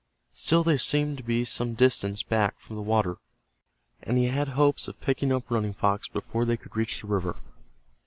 Still they seemed to be some distance back from the water, and he had hopes of picking up Running Fox before they could reach the river.